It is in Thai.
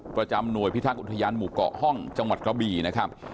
ประจำหน่วยพิทักษ์อุทยานหมู่เกาะห้องจังหวัดกระบี่นะครับ